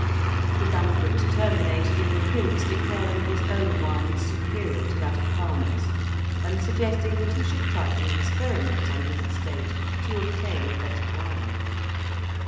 The banquet terminated in the Prince declaring his own wine superior to that of Palmer's, and suggesting that he should try some experiments on his estate to obtain a better wine.